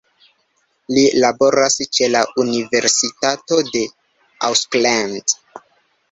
Li laboras ĉe la Universitato de Auckland.